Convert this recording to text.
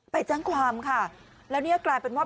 ไปแจ้งความค่ะแล้วเนี่ยกลายเป็นว่า